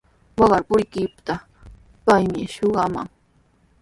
Waqar puriptiiqa paymi shuqakaman.